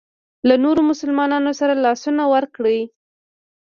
له نورو مسلمانانو سره لاسونه ورکړي.